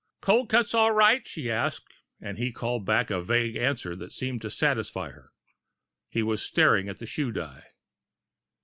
"Cold cuts all right?" she asked, and he called back a vague answer that seemed to satisfy her. He was staring at the shoe dye.